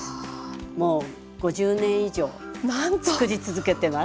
もう５０年以上つくり続けてます。